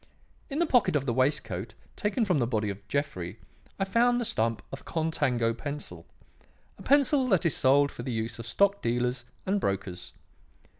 In the pocket of the waistcoat taken from the body of Jeffrey I found the stump of a 'Contango' pencil; a pencil that is sold for the use of stock dealers and brokers.